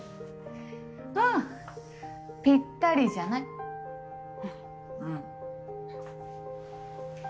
うんぴったりじゃない？ん。